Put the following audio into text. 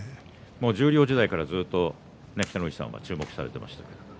十両時代から北の富士さんが注目されていましたね？